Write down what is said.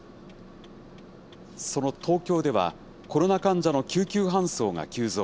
その東京では、コロナ患者の救急搬送が急増。